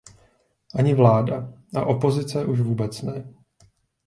Ani vláda, a opozice už vůbec ne.